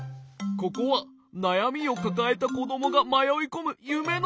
ここはなやみをかかえたこどもがまよいこむゆめのせかいさ！